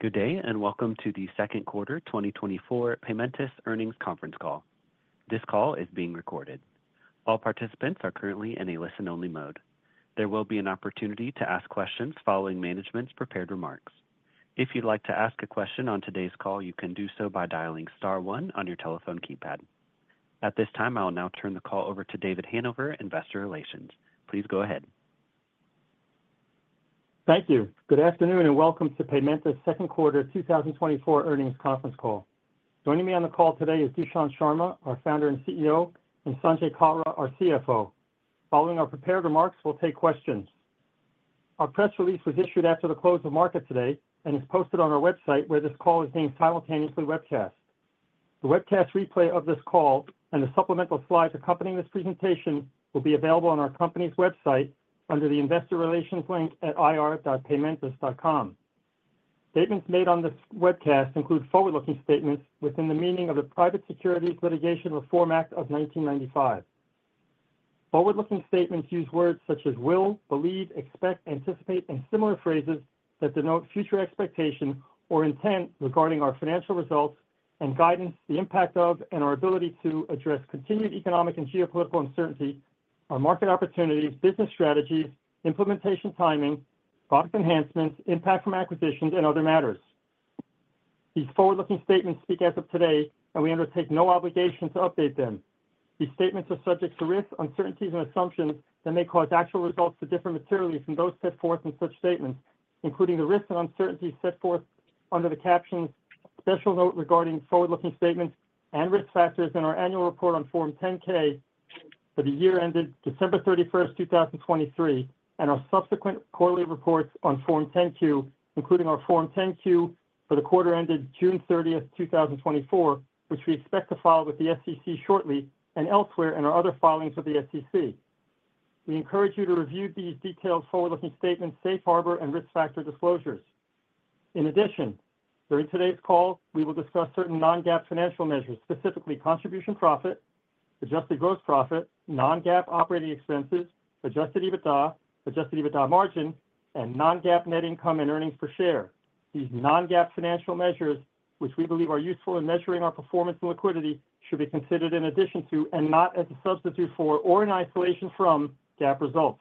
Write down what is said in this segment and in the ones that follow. Good day, and welcome to the second quarter 2024 Paymentus earnings conference call. This call is being recorded. All participants are currently in a listen-only mode. There will be an opportunity to ask questions following management's prepared remarks. If you'd like to ask a question on today's call, you can do so by dialing star one on your telephone keypad. At this time, I will now turn the call over to David Hanover, Investor Relations. Please go ahead. Thank you. Good afternoon, and welcome to Paymentus second quarter 2024 earnings conference call. Joining me on the call today is Dushyant Sharma, our founder and CEO, and Sanjay Kalra, our CFO. Following our prepared remarks, we'll take questions. Our press release was issued after the close of market today and is posted on our website, where this call is being simultaneously webcast. The webcast replay of this call and the supplemental slides accompanying this presentation will be available on our company's website under the Investor Relations link at ir.paymentus.com. Statements made on this webcast include forward-looking statements within the meaning of the Private Securities Litigation Reform Act of 1995. Forward-looking statements use words such as will, believe, expect, anticipate, and similar phrases that denote future expectation or intent regarding our financial results and guidance, the impact of and our ability to address continued economic and geopolitical uncertainty, our market opportunities, business strategies, implementation timing, product enhancements, impact from acquisitions, and other matters. These forward-looking statements speak as of today, and we undertake no obligation to update them. These statements are subject to risks, uncertainties, and assumptions that may cause actual results to differ materially from those set forth in such statements, including the risks and uncertainties set forth under the captions Special Note Regarding Forward-Looking Statements and Risk Factors in our annual report on Form 10-K for the year ended December 31st 2023, and our subsequent quarterly reports on Form 10-Q, including our Form 10-Q for the quarter ended June 30th 2024, which we expect to file with the SEC shortly, and elsewhere in our other filings with the SEC. We encourage you to review these detailed forward-looking statements, safe harbor, and risk factor disclosures. In addition, during today's call, we will discuss certain non-GAAP financial measures, specifically contribution profit, adjusted gross profit, non-GAAP operating expenses, adjusted EBITDA, adjusted EBITDA margin, and non-GAAP net income and earnings per share. These non-GAAP financial measures, which we believe are useful in measuring our performance and liquidity, should be considered in addition to, and not as a substitute for, or in isolation from GAAP results.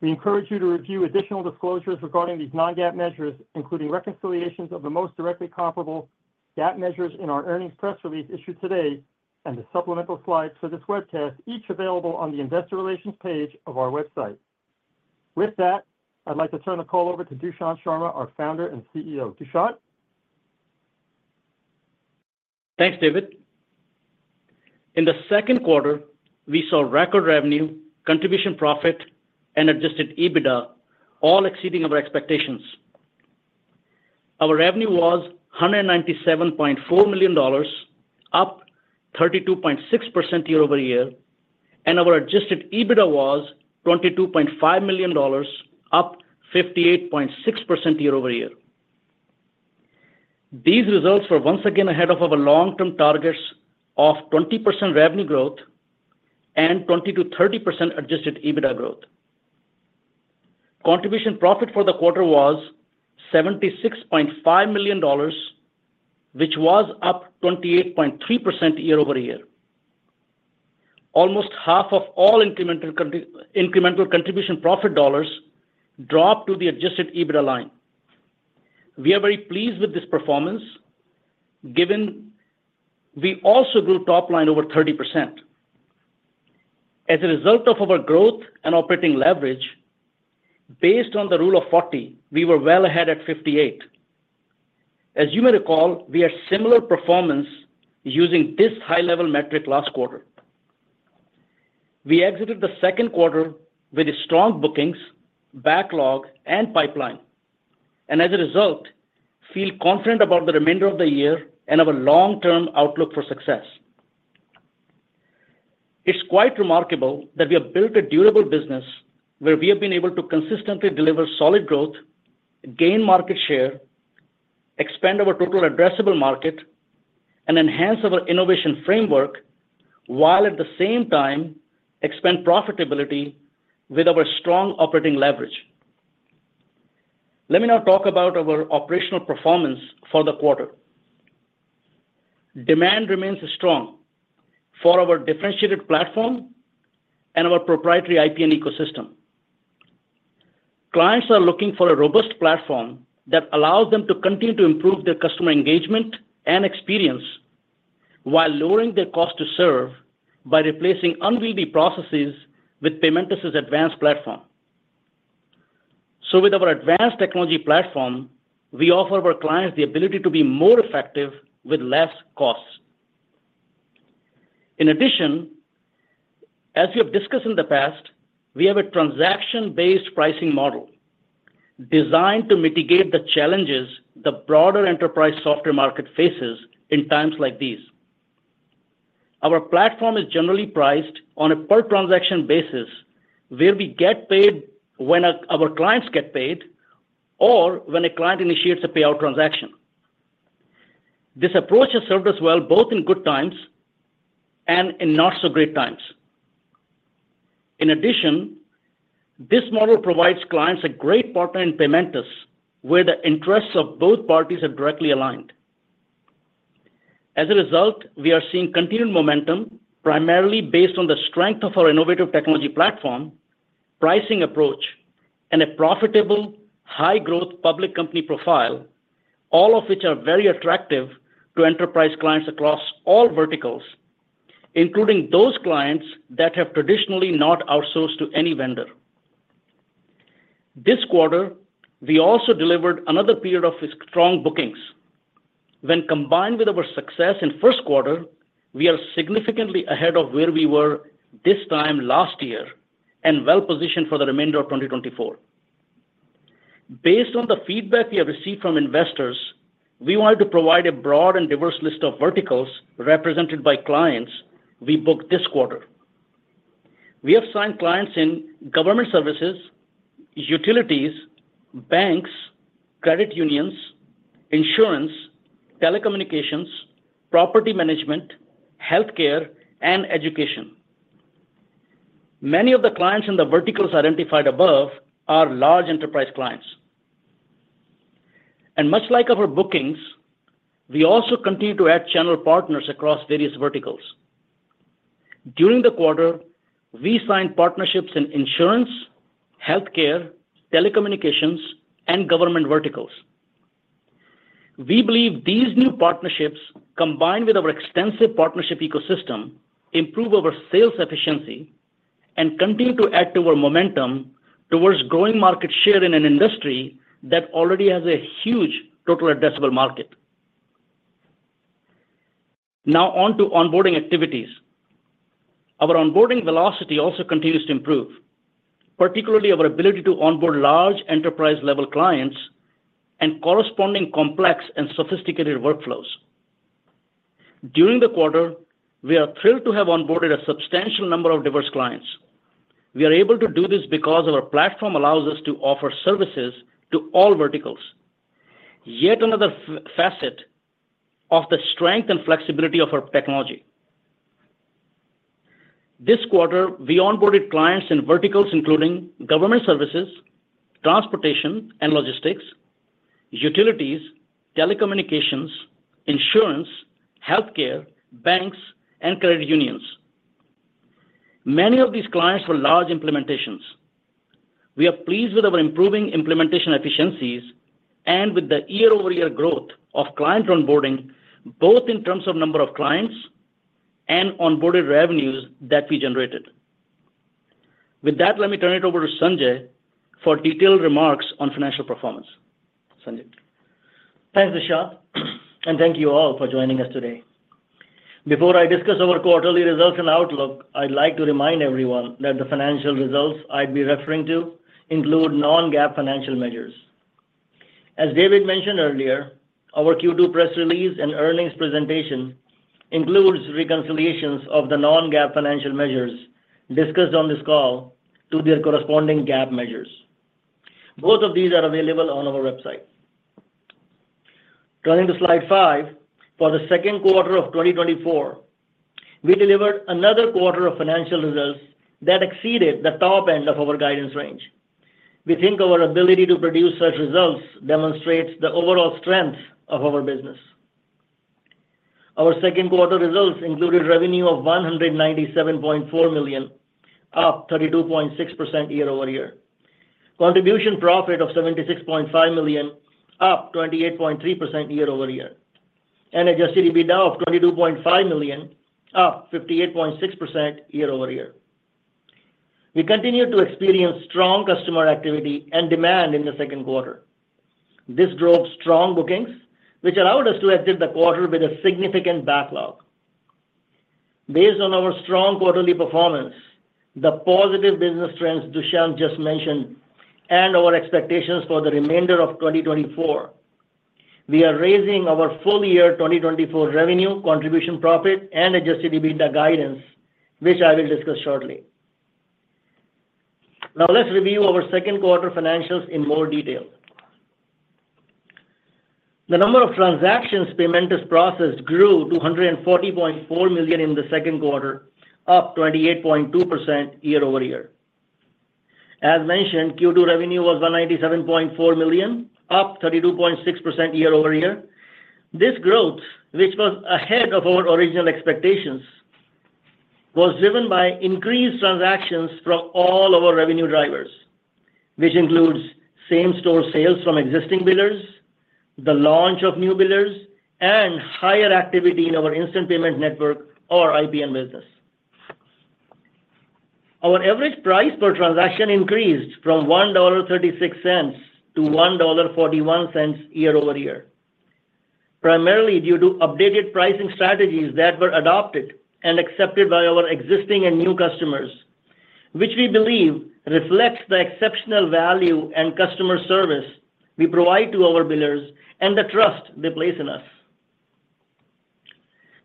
We encourage you to review additional disclosures regarding these non-GAAP measures, including reconciliations of the most directly comparable GAAP measures in our earnings press release issued today and the supplemental slides for this webcast, each available on the Investor Relations page of our website. With that, I'd like to turn the call over to Dushyant Sharma, our founder and CEO. Dushyant? Thanks, David. In the second quarter, we saw record revenue, contribution profit, and adjusted EBITDA, all exceeding our expectations. Our revenue was $197.4 million, up 32.6% year-over-year, and our adjusted EBITDA was $22.5 million, up 58.6% year-over-year. These results were once again ahead of our long-term targets of 20% revenue growth and 20%-30% adjusted EBITDA growth. Contribution profit for the quarter was $76.5 million, which was up 28.3% year-over-year. Almost half of all incremental contribution profit dollars dropped to the adjusted EBITDA line. We are very pleased with this performance, given we also grew top line over 30%. As a result of our growth and operating leverage, based on the Rule of 40, we were well ahead at 58. As you may recall, we had similar performance using this high-level metric last quarter. We exited the second quarter with strong bookings, backlog, and pipeline, and as a result, feel confident about the remainder of the year and our long-term outlook for success. It's quite remarkable that we have built a durable business where we have been able to consistently deliver solid growth, gain market share, expand our total addressable market, and enhance our innovation framework, while at the same time expand profitability with our strong operating leverage. Let me now talk about our operational performance for the quarter. Demand remains strong for our differentiated platform and our proprietary IP and ecosystem. Clients are looking for a robust platform that allows them to continue to improve their customer engagement and experience while lowering their cost to serve by replacing unwieldy processes with Paymentus' advanced platform. So with our advanced technology platform, we offer our clients the ability to be more effective with less costs. In addition, as we have discussed in the past, we have a transaction-based pricing model designed to mitigate the challenges the broader enterprise software market faces in times like these. Our platform is generally priced on a per-transaction basis, where we get paid when our clients get paid or when a client initiates a payout transaction. This approach has served us well, both in good times and in not so great times.... In addition, this model provides clients a great partner in Paymentus, where the interests of both parties are directly aligned. As a result, we are seeing continued momentum, primarily based on the strength of our innovative technology platform, pricing approach, and a profitable, high-growth public company profile, all of which are very attractive to enterprise clients across all verticals, including those clients that have traditionally not outsourced to any vendor. This quarter, we also delivered another period of strong bookings. When combined with our success in first quarter, we are significantly ahead of where we were this time last year, and well positioned for the remainder of 2024. Based on the feedback we have received from investors, we wanted to provide a broad and diverse list of verticals represented by clients we booked this quarter. We have signed clients in government services, utilities, banks, credit unions, insurance, telecommunications, property management, healthcare, and education. Many of the clients in the verticals identified above are large enterprise clients. Much like our bookings, we also continue to add channel partners across various verticals. During the quarter, we signed partnerships in insurance, healthcare, telecommunications, and government verticals. We believe these new partnerships, combined with our extensive partnership ecosystem, improve our sales efficiency and continue to add to our momentum towards growing market share in an industry that already has a huge total addressable market. Now on to onboarding activities. Our onboarding velocity also continues to improve, particularly our ability to onboard large enterprise-level clients and corresponding complex and sophisticated workflows. During the quarter, we are thrilled to have onboarded a substantial number of diverse clients. We are able to do this because our platform allows us to offer services to all verticals, yet another facet of the strength and flexibility of our technology. This quarter, we onboarded clients in verticals including government services, transportation and logistics, utilities, telecommunications, insurance, healthcare, banks, and credit unions. Many of these clients were large implementations. We are pleased with our improving implementation efficiencies and with the year-over-year growth of client onboarding, both in terms of number of clients and onboarded revenues that we generated. With that, let me turn it over to Sanjay for detailed remarks on financial performance. Sanjay? Thanks, Dushyant, and thank you all for joining us today. Before I discuss our quarterly results and outlook, I'd like to remind everyone that the financial results I'd be referring to include non-GAAP financial measures. As David mentioned earlier, our Q2 press release and earnings presentation includes reconciliations of the non-GAAP financial measures discussed on this call to their corresponding GAAP measures. Both of these are available on our website. Turning to slide five, for the second quarter of 2024, we delivered another quarter of financial results that exceeded the top end of our guidance range. We think our ability to produce such results demonstrates the overall strength of our business. Our second quarter results included revenue of $197.4 million, up 32.6% year-over-year. Contribution profit of $76.5 million, up 28.3% year-over-year, and adjusted EBITDA of $22.5 million, up 58.6% year-over-year. We continued to experience strong customer activity and demand in the second quarter. This drove strong bookings, which allowed us to exit the quarter with a significant backlog. Based on our strong quarterly performance, the positive business trends Dushyant just mentioned, and our expectations for the remainder of 2024, we are raising our full-year 2024 revenue, contribution profit, and adjusted EBITDA guidance, which I will discuss shortly. Now let's review our second quarter financials in more detail. The number of transactions Paymentus processed grew to 140.4 million in the second quarter, up 28.2% year-over-year. As mentioned, Q2 revenue was $197.4 million, up 32.6% year-over-year. This growth, which was ahead of our original expectations, was driven by increased transactions from all our revenue drivers, which includes same-store sales from existing billers, the launch of new billers, and higher activity in our Instant Payment Network or IPN business. Our average price per transaction increased from $1.36 to $1.41 year-over-year, primarily due to updated pricing strategies that were adopted and accepted by our existing and new customers, which we believe reflects the exceptional value and customer service we provide to our billers and the trust they place in us.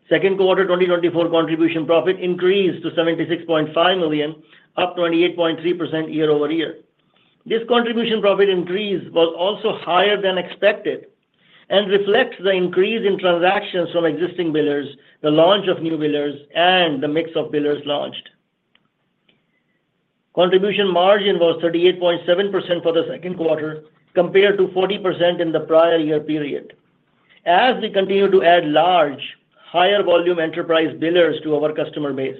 Second quarter 2024 contribution profit increased to $76.5 million, up 28.3% year-over-year. This contribution profit increase was also higher than expected and reflects the increase in transactions from existing billers, the launch of new billers, and the mix of billers launched. Contribution margin was 38.7% for the second quarter, compared to 40% in the prior year period, as we continued to add large, higher volume enterprise billers to our customer base.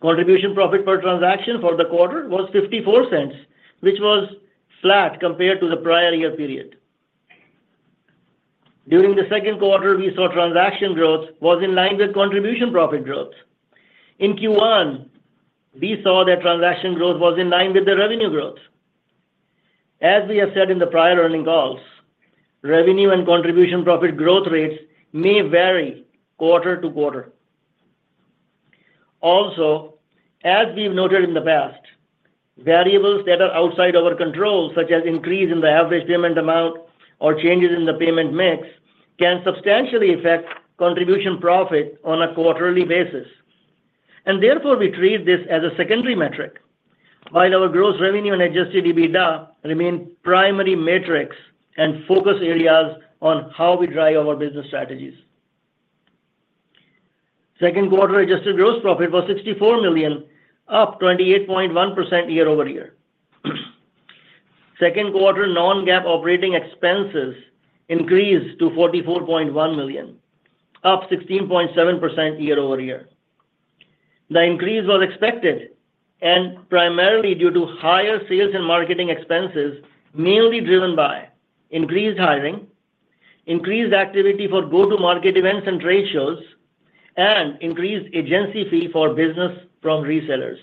Contribution profit per transaction for the quarter was $0.54, which was flat compared to the prior year period. During the second quarter, we saw transaction growth was in line with contribution profit growth. In Q1, we saw that transaction growth was in line with the revenue growth. As we have said in the prior earnings calls, revenue and contribution profit growth rates may vary quarter to quarter. Also, as we've noted in the past, variables that are outside our control, such as increase in the average payment amount or changes in the payment mix, can substantially affect contribution profit on a quarterly basis. And therefore, we treat this as a secondary metric, while our gross revenue and adjusted EBITDA remain primary metrics and focus areas on how we drive our business strategies. Second quarter adjusted gross profit was $64 million, up 28.1% year-over-year. Second quarter non-GAAP operating expenses increased to $44.1 million, up 16.7% year-over-year. The increase was expected and primarily due to higher sales and marketing expenses, mainly driven by increased hiring, increased activity for go-to-market events and trade shows, and increased agency fee for business from resellers.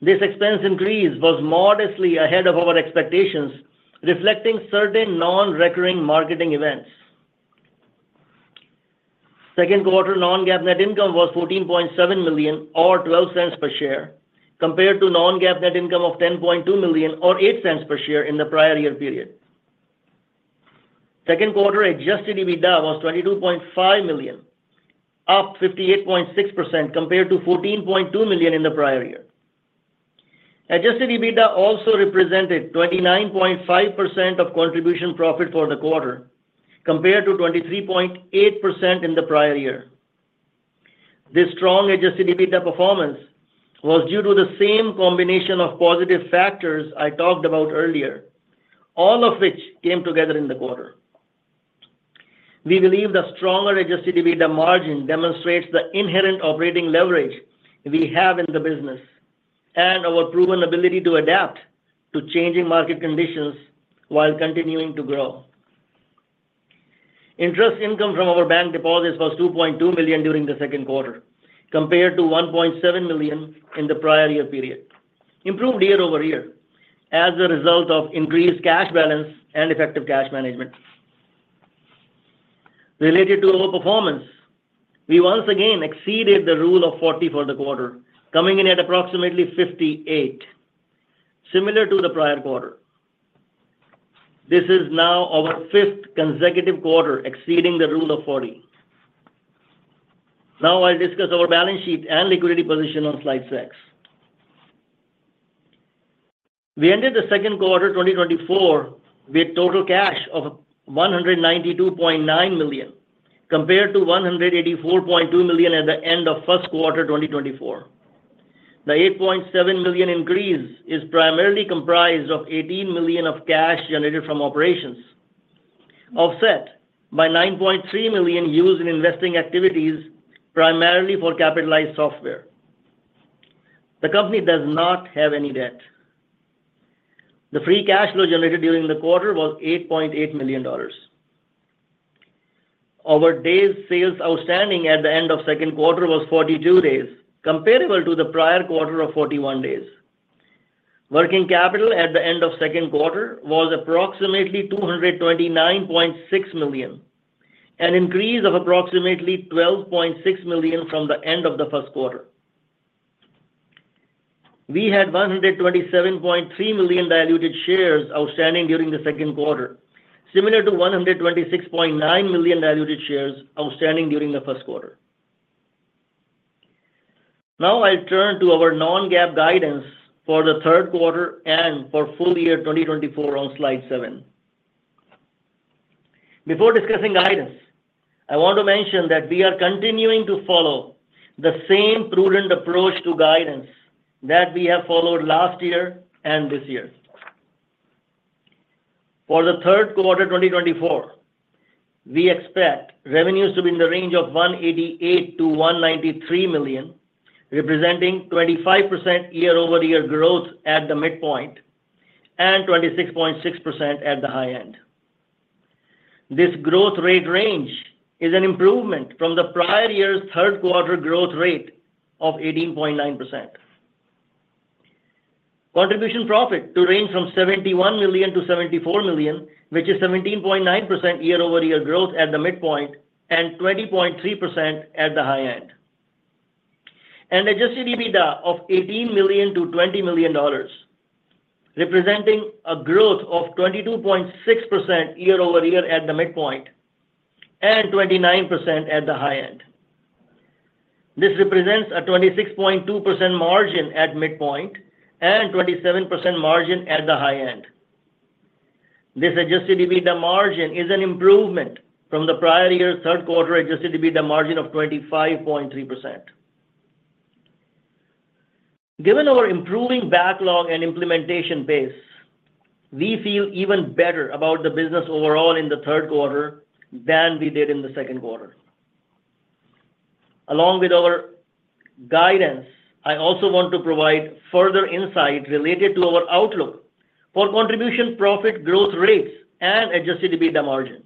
This expense increase was modestly ahead of our expectations, reflecting certain non-recurring marketing events. Second quarter non-GAAP net income was $14.7 million or $0.12 per share, compared to non-GAAP net income of $10.2 million or $0.08 per share in the prior year period. Second quarter adjusted EBITDA was $22.5 million, up 58.6% compared to $14.2 million in the prior year. Adjusted EBITDA also represented 29.5% of contribution profit for the quarter, compared to 23.8% in the prior year. This strong adjusted EBITDA performance was due to the same combination of positive factors I talked about earlier, all of which came together in the quarter. We believe the stronger adjusted EBITDA margin demonstrates the inherent operating leverage we have in the business and our proven ability to adapt to changing market conditions while continuing to grow. Interest income from our bank deposits was $2.2 million during the second quarter, compared to $1.7 million in the prior year period, improved year-over-year as a result of increased cash balance and effective cash management. Related to our performance, we once again exceeded the Rule of 40 for the quarter, coming in at approximately 58, similar to the prior quarter. This is now our fifth consecutive quarter exceeding the Rule of 40. Now I'll discuss our balance sheet and liquidity position on slide 6. We ended the second quarter 2024 with total cash of $192.9 million, compared to $184.2 million at the end of first quarter 2024. The $8.7 million increase is primarily comprised of $18 million of cash generated from operations, offset by $9.3 million used in investing activities, primarily for capitalized software. The company does not have any debt. The free cash flow generated during the quarter was $8.8 million. Our days sales outstanding at the end of second quarter was 42 days, comparable to the prior quarter of 41 days. Working capital at the end of second quarter was approximately $229.6 million, an increase of approximately $12.6 million from the end of the first quarter. We had 127.3 million diluted shares outstanding during the second quarter, similar to 126.9 million diluted shares outstanding during the first quarter. Now I turn to our non-GAAP guidance for the third quarter and for full year 2024 on slide 7. Before discussing guidance, I want to mention that we are continuing to follow the same prudent approach to guidance that we have followed last year and this year. For the third quarter 2024, we expect revenues to be in the range of $188 million-$193 million, representing 25% year-over-year growth at the midpoint and 26.6% at the high end. This growth rate range is an improvement from the prior year's third quarter growth rate of 18.9%. Contribution profit to range from $71 million-$74 million, which is 17.9% year-over-year growth at the midpoint and 20.3% at the high end. And adjusted EBITDA of $18 million-$20 million. representing a growth of 22.6% year-over-year at the midpoint, and 29% at the high end. This represents a 26.2% margin at midpoint, and 27% margin at the high end. This Adjusted EBITDA margin is an improvement from the prior year's third quarter Adjusted EBITDA margin of 25.3%. Given our improving backlog and implementation base, we feel even better about the business overall in the third quarter than we did in the second quarter. Along with our guidance, I also want to provide further insight related to our outlook for contribution profit growth rates and Adjusted EBITDA margin.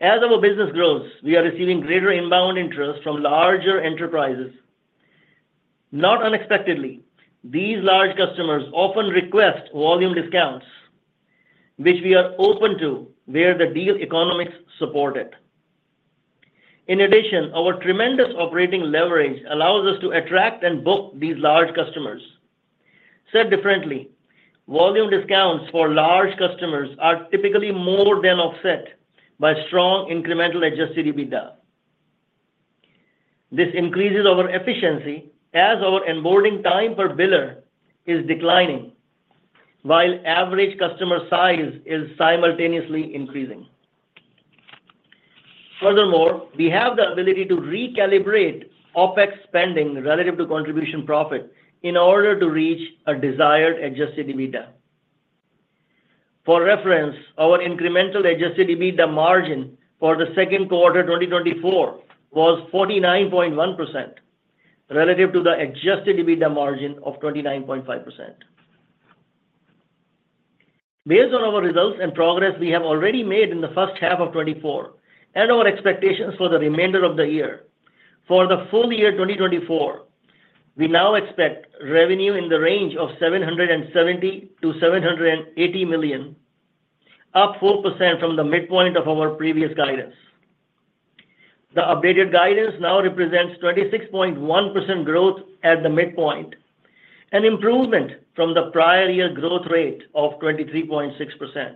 As our business grows, we are receiving greater inbound interest from larger enterprises. Not unexpectedly, these large customers often request volume discounts, which we are open to where the deal economics support it. In addition, our tremendous operating leverage allows us to attract and book these large customers. Said differently, volume discounts for large customers are typically more than offset by strong incremental adjusted EBITDA. This increases our efficiency as our onboarding time per biller is declining, while average customer size is simultaneously increasing. Furthermore, we have the ability to recalibrate OpEx spending relative to contribution profit in order to reach a desired adjusted EBITDA. For reference, our incremental adjusted EBITDA margin for the second quarter 2024 was 49.1%, relative to the adjusted EBITDA margin of 29.5%. Based on our results and progress we have already made in the first half of 2024, and our expectations for the remainder of the year, for the full year 2024, we now expect revenue in the range of $770 million-$780 million, up 4% from the midpoint of our previous guidance. The updated guidance now represents 26.1% growth at the midpoint, an improvement from the prior year growth rate of 23.6%.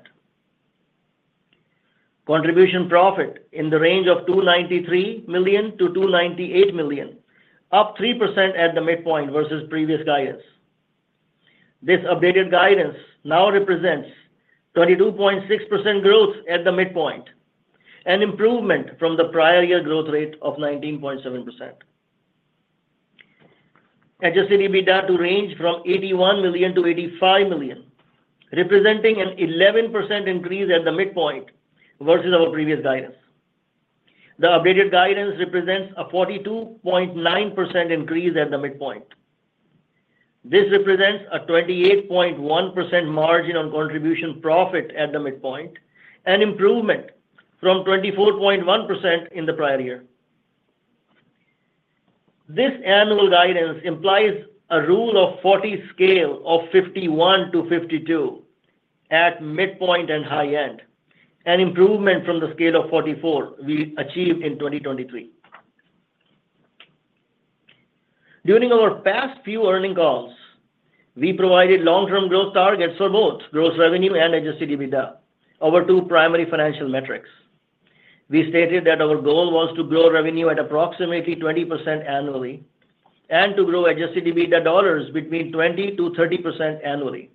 Contribution profit in the range of $293 million-$298 million, up 3% at the midpoint versus previous guidance. This updated guidance now represents 32.6% growth at the midpoint, an improvement from the prior year growth rate of 19.7%. Adjusted EBITDA to range from $81 million-$85 million, representing an 11% increase at the midpoint versus our previous guidance. The updated guidance represents a 42.9% increase at the midpoint. This represents a 28.1% margin on contribution profit at the midpoint, an improvement from 24.1% in the prior year. This annual guidance implies a Rule of 40 scale of 51-52 at midpoint and high end, an improvement from the scale of 44 we achieved in 2023. During our past few earnings calls, we provided long-term growth targets for both gross revenue and Adjusted EBITDA, our two primary financial metrics. We stated that our goal was to grow revenue at approximately 20% annually, and to grow Adjusted EBITDA dollars between 20%-30% annually.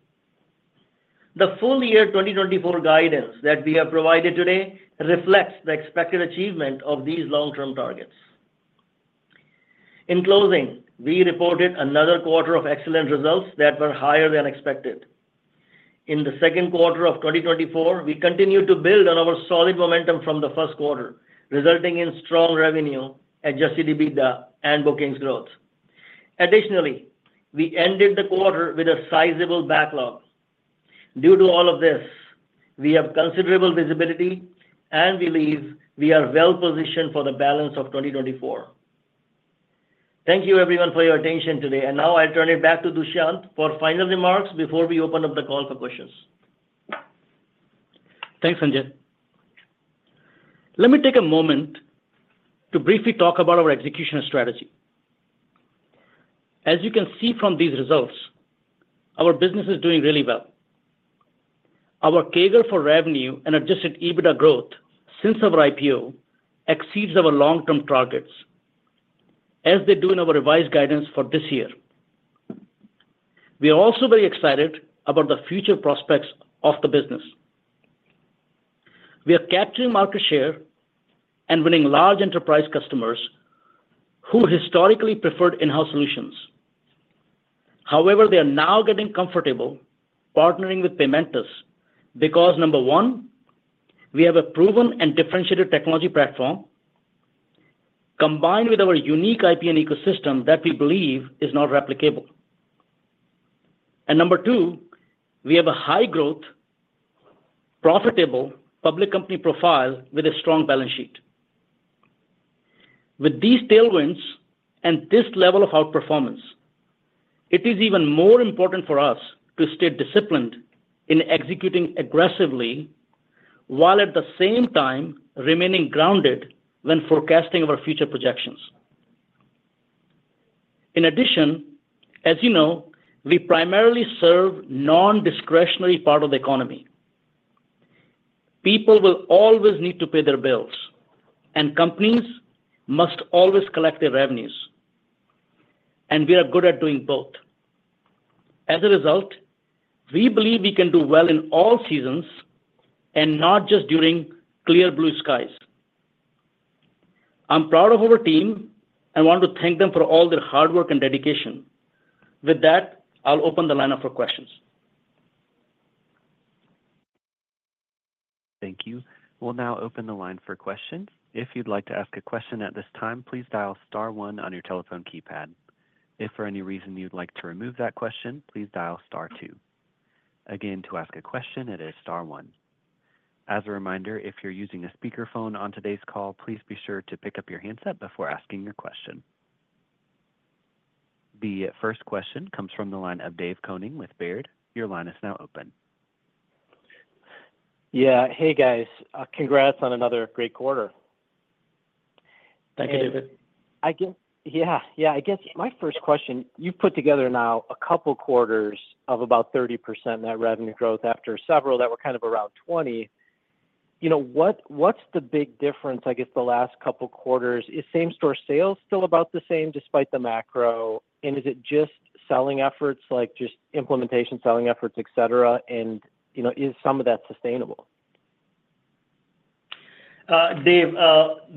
The full year 2024 guidance that we have provided today reflects the expected achievement of these long-term targets. In closing, we reported another quarter of excellent results that were higher than expected. In the second quarter of 2024, we continued to build on our solid momentum from the first quarter, resulting in strong revenue, Adjusted EBITDA, and bookings growth. Additionally, we ended the quarter with a sizable backlog. Due to all of this, we have considerable visibility and believe we are well positioned for the balance of 2024. Thank you everyone for your attention today, and now I turn it back to Dushyant for final remarks before we open up the call for questions. Thanks, Sanjay. Let me take a moment to briefly talk about our execution strategy. As you can see from these results, our business is doing really well. Our CAGR for revenue and adjusted EBITDA growth since our IPO exceeds our long-term targets, as they do in our revised guidance for this year. We are also very excited about the future prospects of the business. We are capturing market share and winning large enterprise customers who historically preferred in-house solutions. However, they are now getting comfortable partnering with Paymentus, because, number one, we have a proven and differentiated technology platform, combined with our unique IP and ecosystem that we believe is not replicable. And number two, we have a high-growth, profitable public company profile with a strong balance sheet. With these tailwinds and this level of outperformance, it is even more important for us to stay disciplined in executing aggressively, while at the same time remaining grounded when forecasting our future projections. In addition, as you know, we primarily serve non-discretionary part of the economy. People will always need to pay their bills, and companies must always collect their revenues, and we are good at doing both. As a result, we believe we can do well in all seasons and not just during clear blue skies. I'm proud of our team and want to thank them for all their hard work and dedication. With that, I'll open the line up for questions. Thank you. We'll now open the line for questions. If you'd like to ask a question at this time, please dial star one on your telephone keypad. If for any reason you'd like to remove that question, please dial star two. Again, to ask a question, it is star one. As a reminder, if you're using a speakerphone on today's call, please be sure to pick up your handset before asking your question. The first question comes from the line of Dave Koning with Baird. Your line is now open. Yeah. Hey, guys. Congrats on another great quarter. Thank you, Dave. I guess. Yeah, yeah. I guess my first question, you've put together now a couple quarters of about 30% net revenue growth after several that were kind of around 20. You know, what's the big difference, I guess, the last couple quarters? Is same-store sales still about the same despite the macro, and is it just selling efforts, like, just implementation, selling efforts, et cetera? And, you know, is some of that sustainable? Dave,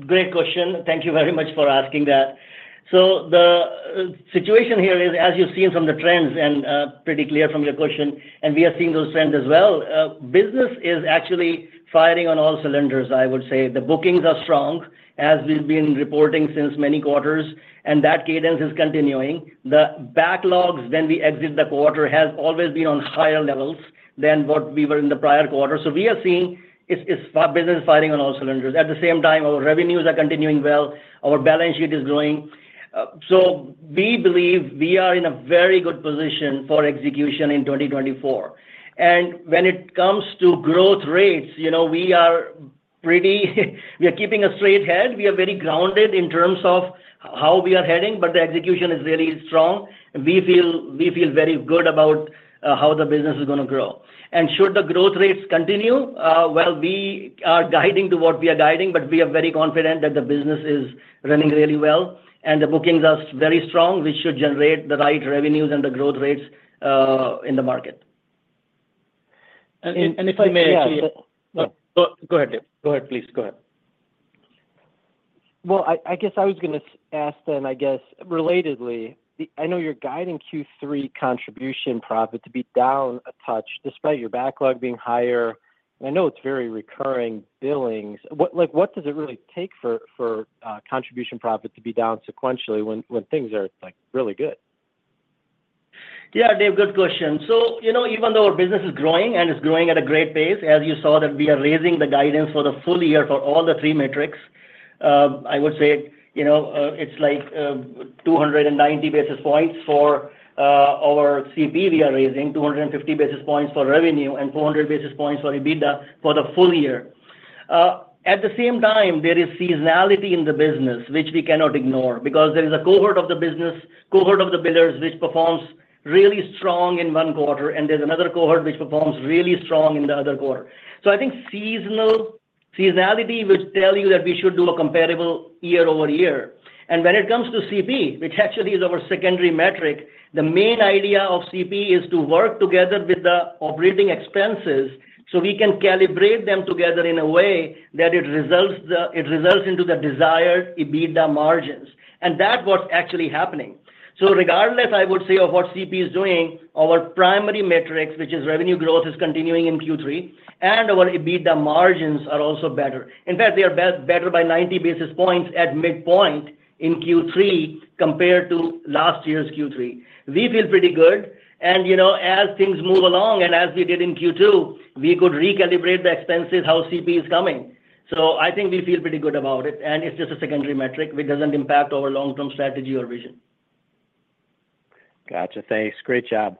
great question. Thank you very much for asking that. So the situation here is, as you've seen from the trends and, pretty clear from your question, and we are seeing those trends as well, business is actually firing on all cylinders, I would say. The bookings are strong, as we've been reporting since many quarters, and that cadence is continuing. The backlogs when we exit the quarter has always been on higher levels than what we were in the prior quarter. So we are seeing it's, it's business firing on all cylinders. At the same time, our revenues are continuing well, our balance sheet is growing. So we believe we are in a very good position for execution in 2024. And when it comes to growth rates, you know, we are pretty, we are keeping a straight head. We are very grounded in terms of how we are heading, but the execution is really strong. We feel, we feel very good about how the business is gonna grow. And should the growth rates continue, well, we are guiding to what we are guiding, but we are very confident that the business is running really well, and the bookings are very strong, which should generate the right revenues and the growth rates in the market. And if I may- Yeah. Go, go ahead, Dave. Go ahead, please. Go ahead. Well, I guess I was gonna ask then, I guess, relatedly, the... I know you're guiding Q3 contribution profit to be down a touch despite your backlog being higher. I know it's very recurring billings. What, like, what does it really take for contribution profit to be down sequentially when things are, like, really good? Yeah, Dave, good question. So, you know, even though our business is growing and is growing at a great pace, as you saw that we are raising the guidance for the full year for all three metrics, I would say, you know, it's like, 290 basis points for our CP we are raising, 250 basis points for revenue, and 400 basis points for EBITDA for the full year. At the same time, there is seasonality in the business, which we cannot ignore because there is a cohort of the business, cohort of the billers, which performs really strong in one quarter, and there's another cohort which performs really strong in the other quarter. So I think seasonality would tell you that we should do a comparable year-over-year. And when it comes to CP, which actually is our secondary metric, the main idea of CP is to work together with the operating expenses, so we can calibrate them together in a way that it results into the desired EBITDA margins, and that's what's actually happening. So regardless, I would say, of what CP is doing, our primary metrics, which is revenue growth, is continuing in Q3, and our EBITDA margins are also better. In fact, they are better by 90 basis points at midpoint in Q3 compared to last year's Q3. We feel pretty good, and, you know, as things move along and as we did in Q2, we could recalibrate the expenses how CP is coming. So I think we feel pretty good about it, and it's just a secondary metric. It doesn't impact our long-term strategy or vision. Gotcha. Thanks. Great job.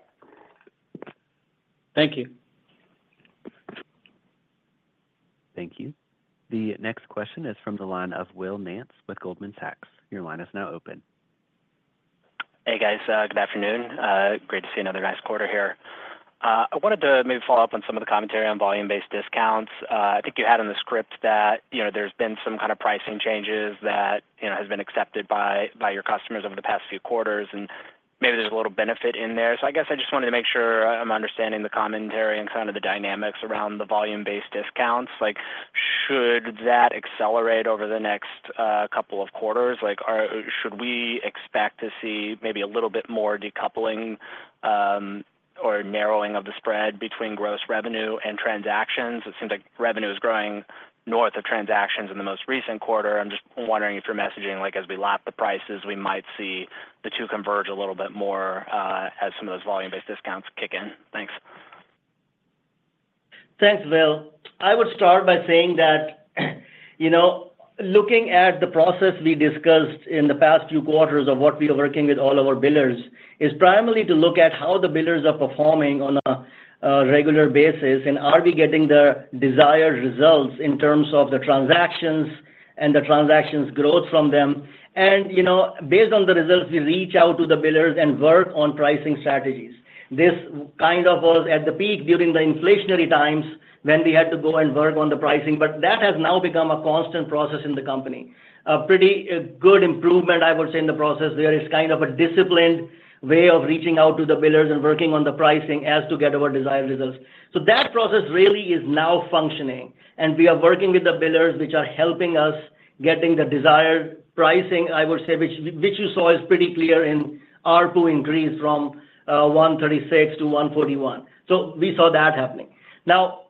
Thank you. Thank you. The next question is from the line of Will Nance with Goldman Sachs. Your line is now open. Hey, guys. Good afternoon. Great to see another nice quarter here. I wanted to maybe follow up on some of the commentary on volume-based discounts. I think you had in the script that, you know, there's been some kind of pricing changes that, you know, has been accepted by, by your customers over the past few quarters, and maybe there's a little benefit in there. So I guess I just wanted to make sure I'm understanding the commentary and kind of the dynamics around the volume-based discounts. Like, should that accelerate over the next couple of quarters? Like, should we expect to see maybe a little bit more decoupling or narrowing of the spread between gross revenue and transactions? It seems like revenue is growing north of transactions in the most recent quarter. I'm just wondering if you're messaging, like, as we lap the prices, we might see the two converge a little bit more, as some of those volume-based discounts kick in. Thanks. Thanks, Will. I would start by saying that, you know, looking at the process we discussed in the past few quarters of what we are working with all of our billers is primarily to look at how the billers are performing on a regular basis, and are we getting the desired results in terms of the transactions and the transactions growth from them? And, you know, based on the results, we reach out to the billers and work on pricing strategies. This kind of was at the peak during the inflationary times when we had to go and work on the pricing, but that has now become a constant process in the company. A pretty good improvement, I would say, in the process. There is kind of a disciplined way of reaching out to the billers and working on the pricing as to get our desired results. So that process really is now functioning, and we are working with the billers, which are helping us getting the desired pricing, I would say, which you saw is pretty clear in ARPU increase from $136 to $141. So we saw that happening. Now,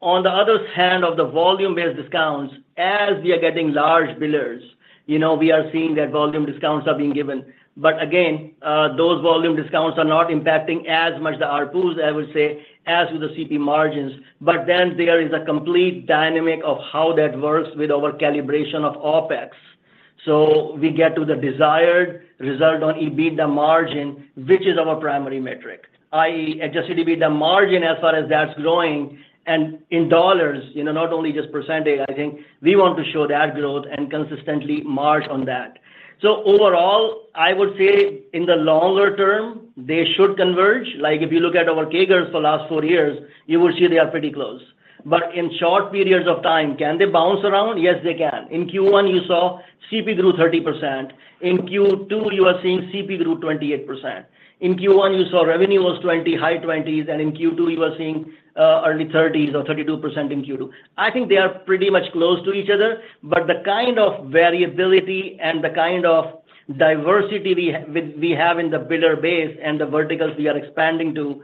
on the other hand, of the volume-based discounts, as we are getting large billers, you know, we are seeing that volume discounts are being given. But again, those volume discounts are not impacting as much the ARPUs, I would say, as with the CP margins. But then there is a complete dynamic of how that works with our calibration of OpEx. So we get to the desired result on EBITDA margin, which is our primary metric, i.e., adjusted EBITDA margin as far as that's growing and in dollars, you know, not only just percentage. I think we want to show that growth and consistently margin on that. So overall, I would say in the longer term, they should converge. Like, if you look at our CAGRs for last four years, you will see they are pretty close. But in short periods of time, can they bounce around? Yes, they can. In Q1, you saw CP grew 30%. In Q2, you are seeing CP grew 28%. In Q1, you saw revenue was 20, high 20s, and in Q2 you are seeing early 30s or 32% in Q2. I think they are pretty much close to each other, but the kind of variability and the kind of diversity we have in the biller base and the verticals we are expanding to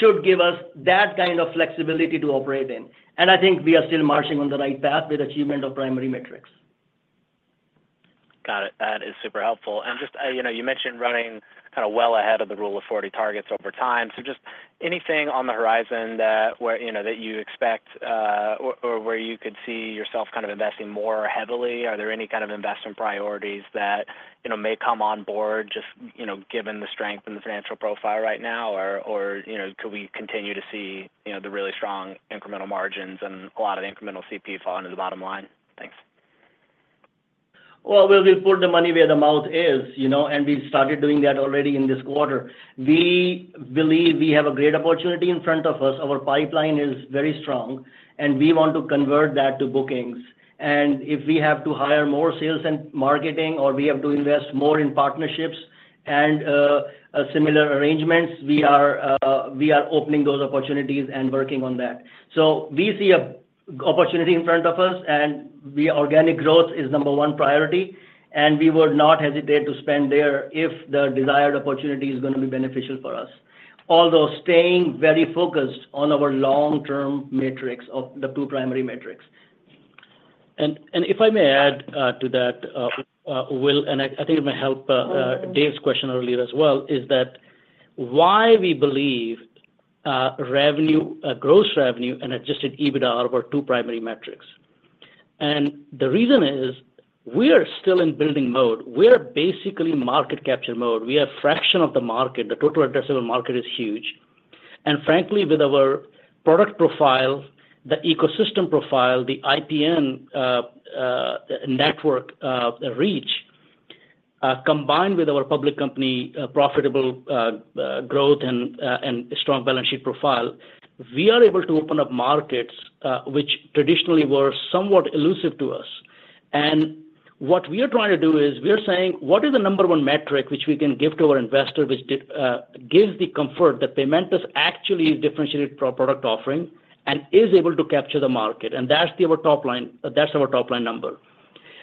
should give us that kind of flexibility to operate in. I think we are still marching on the right path with achievement of primary metrics. Got it. That is super helpful. And just, you know, you mentioned running kind of well ahead of the Rule of 40 targets over time. So just anything on the horizon that where, you know, that you expect, or, or where you could see yourself kind of investing more heavily? Are there any kind of investment priorities that, you know, may come on board just, you know, given the strength and the financial profile right now, or, or, you know, could we continue to see, you know, the really strong incremental margins and a lot of the incremental CP fall into the bottom line? Thanks. Well, we'll put the money where the mouth is, you know, and we've started doing that already in this quarter. We believe we have a great opportunity in front of us. Our pipeline is very strong, and we want to convert that to bookings. And if we have to hire more sales and marketing, or we have to invest more in partnerships and similar arrangements, we are opening those opportunities and working on that. So we see an opportunity in front of us, and organic growth is number one priority, and we would not hesitate to spend there if the desired opportunity is gonna be beneficial for us. Although staying very focused on our long-term metrics of the two primary metrics. And if I may add to that, Will, and I think it may help Dave's question earlier as well, is that why we believe revenue, gross revenue and adjusted EBITDA are our two primary metrics? And the reason is we are still in building mode. We're basically market capture mode. We are fraction of the market. The total addressable market is huge. And frankly, with our product profile, the ecosystem profile, the IPN network reach, combined with our public company profitable growth and strong balance sheet profile, we are able to open up markets which traditionally were somewhat elusive to us. And what we are trying to do is, we are saying: What is the number one metric which we can give to our investor, which gives the comfort that Paymentus actually is differentiated for our product offering and is able to capture the market? And that's our top line - that's our top-line number.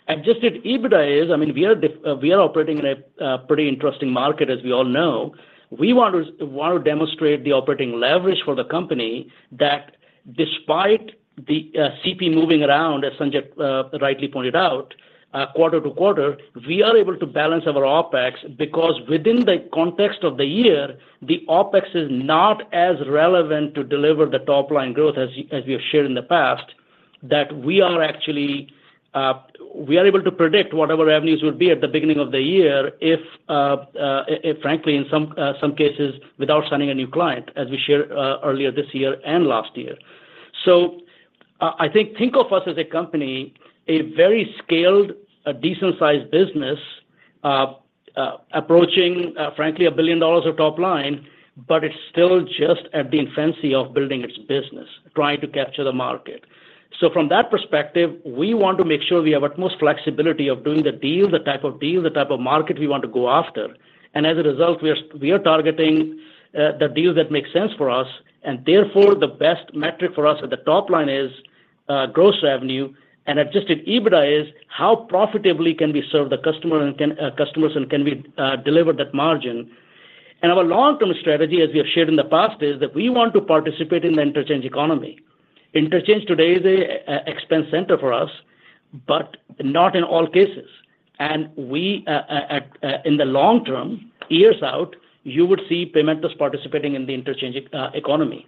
Adjusted EBITDA is, I mean, we are operating in a pretty interesting market, as we all know. We want to, we want to demonstrate the operating leverage for the company that despite the, CP moving around, as Sanjay rightly pointed out, quarter to quarter, we are able to balance our OpEx, because within the context of the year, the OpEx is not as relevant to deliver the top-line growth as you, as we have shared in the past, that we are actually, we are able to predict what our revenues will be at the beginning of the year, if, frankly, in some, some cases, without signing a new client, as we shared, earlier this year and last year. So I think of us as a company, a very scaled, a decent-sized business, approaching, frankly, $1 billion of top line, but it's still just at the infancy of building its business, trying to capture the market. So from that perspective, we want to make sure we have utmost flexibility of doing the deal, the type of deal, the type of market we want to go after. And as a result, we are targeting the deals that make sense for us, and therefore, the best metric for us at the top line is gross revenue, and Adjusted EBITDA is how profitably can we serve the customer and customers, and can we deliver that margin? And our long-term strategy, as we have shared in the past, is that we want to participate in the interchange economy. Interchange today is an expense center for us, but not in all cases. And we, in the long term, years out, you would see Paymentus participating in the interchange economy.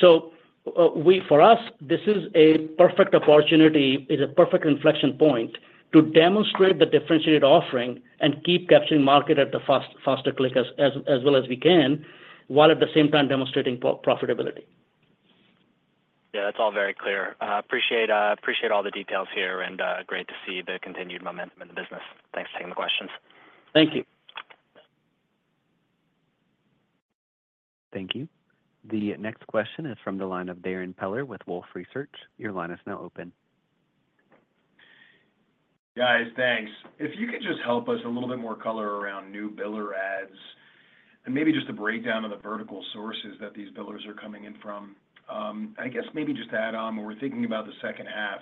So, for us, this is a perfect opportunity. It's a perfect inflection point to demonstrate the differentiated offering and keep capturing market at the faster clip as well as we can, while at the same time demonstrating profitability. Yeah, that's all very clear. Appreciate all the details here, and great to see the continued momentum in the business. Thanks for taking the questions. Thank you. Thank you. The next question is from the line of Darrin Peller with Wolfe Research. Your line is now open. Guys, thanks. If you could just help us a little bit more color around new biller ads, and maybe just a breakdown of the vertical sources that these billers are coming in from. I guess maybe just to add on, when we're thinking about the second half,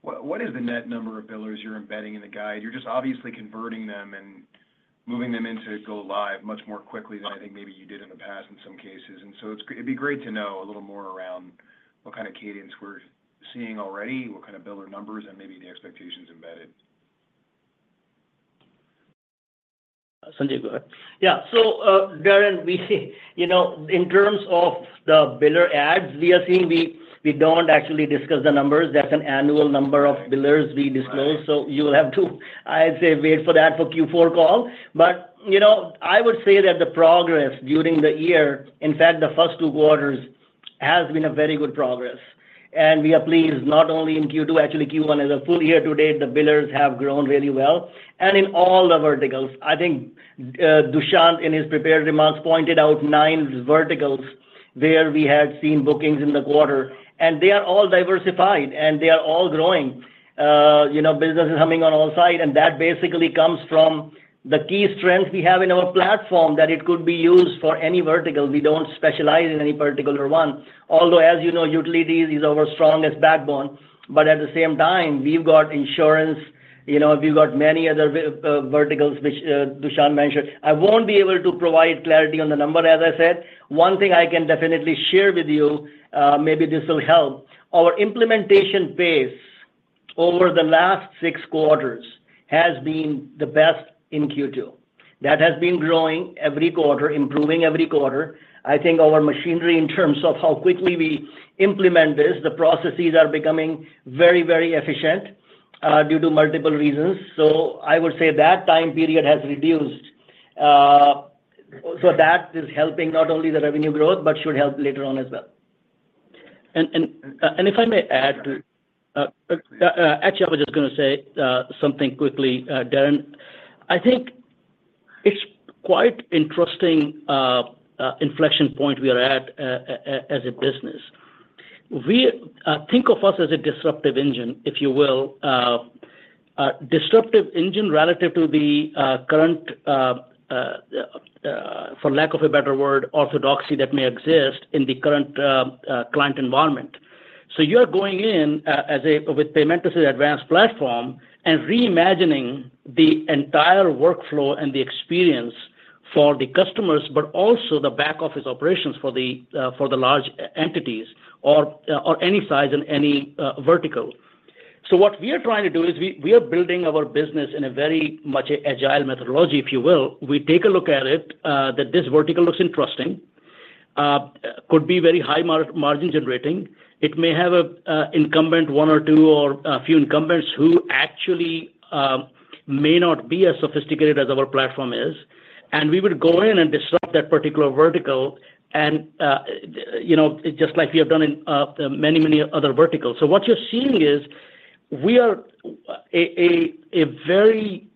what is the net number of billers you're embedding in the guide? You're just obviously converting them and moving them in to go live much more quickly than I think maybe you did in the past in some cases. And so it'd be great to know a little more around what kind of cadence we're seeing already, what kind of biller numbers, and maybe the expectations embedded. Sanjay, go ahead. Yeah. So, Darrin, we see, you know, in terms of the biller adds, we are seeing, we don't actually discuss the numbers. That's an annual number of billers we disclose. Right. So you will have to, I'd say, wait for that for Q4 call. But, you know, I would say that the progress during the year, in fact, the first two quarters, has been a very good progress. And we are pleased, not only in Q2, actually Q1, as a full year to date, the billers have grown really well, and in all the verticals. I think, Dushyant, in his prepared remarks, pointed out nine verticals where we have seen bookings in the quarter, and they are all diversified, and they are all growing. You know, business is humming on all sides, and that basically comes from the key strengths we have in our platform, that it could be used for any vertical. We don't specialize in any particular one, although, as you know, utilities is our strongest backbone. But at the same time, we've got insurance, you know, we've got many other verticals, which Dushyant mentioned. I won't be able to provide clarity on the number, as I said. One thing I can definitely share with you, maybe this will help: Our implementation pace over the last six quarters has been the best in Q2. That has been growing every quarter, improving every quarter. I think our machinery, in terms of how quickly we implement this, the processes are becoming very, very efficient, due to multiple reasons. So I would say that time period has reduced. So that is helping not only the revenue growth, but should help later on as well. And if I may add, actually, I was just gonna say something quickly, Darrin. I think it's quite interesting inflection point we are at as a business. We think of us as a disruptive engine, if you will. A disruptive engine relative to the current, for lack of a better word, orthodoxy that may exist in the current client environment. So you are going in with Paymentus's advanced platform and reimagining the entire workflow and the experience for the customers, but also the back office operations for the large entities or any size in any vertical. So what we are trying to do is we are building our business in a very much agile methodology, if you will. We take a look at it, that this vertical looks interesting, could be very high-margin generating. It may have an incumbent, one or two, or a few incumbents who actually may not be as sophisticated as our platform is, and we would go in and disrupt that particular vertical and, you know, just like we have done in many, many other verticals. So what you're seeing is, we are a very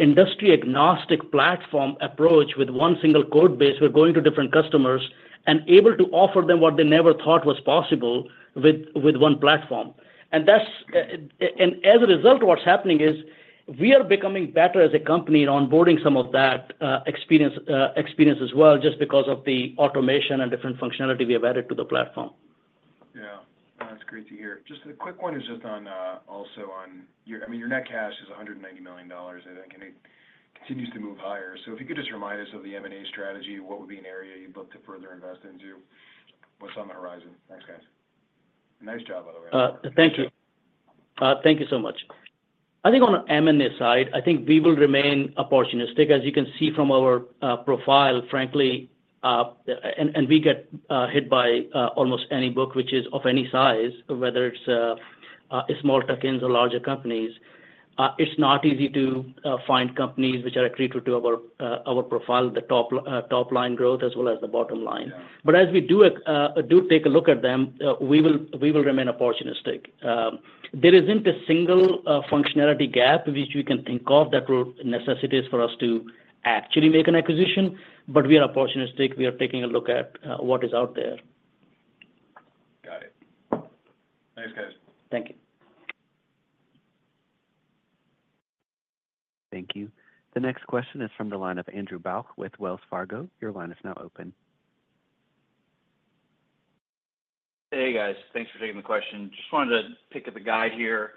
industry agnostic platform approach with one single code base. We're going to different customers and able to offer them what they never thought was possible with one platform. And that's... As a result, what's happening is, we are becoming better as a company in onboarding some of that experience as well, just because of the automation and different functionality we have added to the platform. Yeah. That's great to hear. Just a quick one is just on, also on your-- I mean, your net cash is $190 million, and it continues to move higher. So if you could just remind us of the M&A strategy, what would be an area you'd look to further invest into? What's on the horizon? Thanks, guys. Nice job, by the way. Thank you. Thank you so much. I think on the M&A side, I think we will remain opportunistic. As you can see from our profile, frankly, and we get hit by almost any broker which is of any size, whether it's smaller tuck-ins or larger companies. It's not easy to find companies which are accretive to our profile, the top line growth as well as the bottom line. Yeah. But as we take a look at them, we will remain opportunistic. There isn't a single functionality gap which we can think of that would necessitates for us to actually make an acquisition, but we are opportunistic. We are taking a look at what is out there. Got it. Thanks, guys. Thank you. Thank you. The next question is from the line of Andrew Bauch with Wells Fargo. Your line is now open. Hey, guys. Thanks for taking the question. Just wanted to pick up the guide here.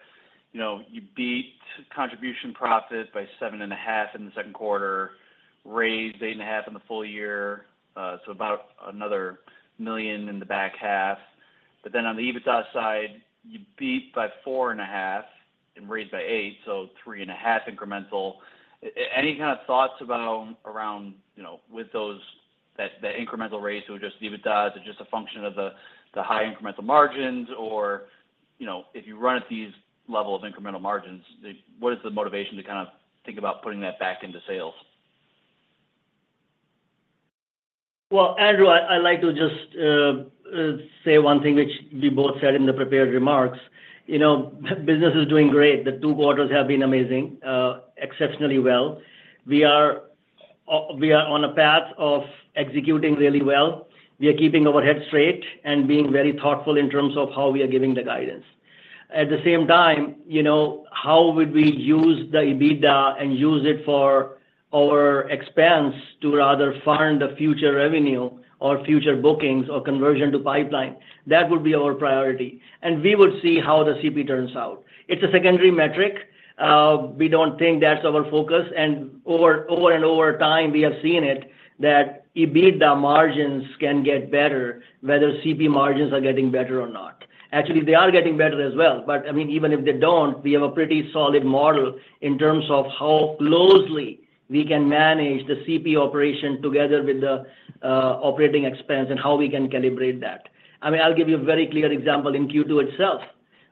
You know, you beat contribution profit by $7.5 million in the second quarter, raised $8.5 million in the full year, so about another $1 million in the back half. But then on the EBITDA side, you beat by $4.5 million and raised by $8 million, so $3.5 million incremental. Any kind of thoughts about around, you know, with those, that, the incremental raise or just EBITDA, is it just a function of the, the high incremental margins? Or, you know, if you run at these level of incremental margins, the, what is the motivation to kind of think about putting that back into sales? Well, Andrew, I'd like to just say one thing, which we both said in the prepared remarks. You know, business is doing great. The two quarters have been amazing, exceptionally well. We are on a path of executing really well. We are keeping our heads straight and being very thoughtful in terms of how we are giving the guidance. At the same time, you know, how would we use the EBITDA and use it for our expense to rather fund the future revenue or future bookings or conversion to pipeline? That would be our priority, and we will see how the CP turns out. It's a secondary metric. We don't think that's our focus, and over and over time, we have seen it, that EBITDA margins can get better, whether CP margins are getting better or not. Actually, they are getting better as well, but, I mean, even if they don't, we have a pretty solid model in terms of how closely we can manage the CP operation together with the operating expense and how we can calibrate that. I mean, I'll give you a very clear example in Q2 itself.